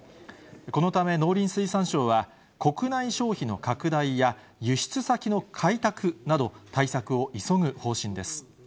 このため農林水産省は、国内消費の拡大や、輸出先の開拓など、対策を急ぐ方針です。